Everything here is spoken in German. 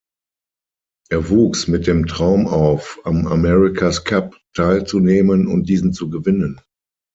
Er wuchs mit dem Traum auf, am America’s Cup teilzunehmen und diesen zu gewinnen.